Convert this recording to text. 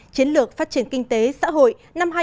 chiến lược phát triển kinh tế xã hội năm hai nghìn một mươi một